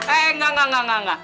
eh enggak enggak enggak